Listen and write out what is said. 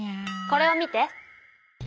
これを見て。